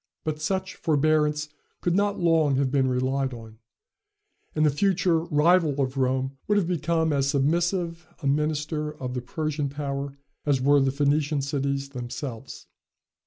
But such forbearance could not long have been relied on, and the future rival of Rome would have become as submissive a minister of the Persian power as were the Phoenician cities themselves.